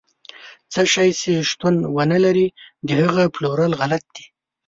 څه شی چې شتون ونه لري، د هغه پلورل غلط دي.